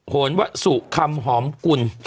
โหนวสุคำหอมกุล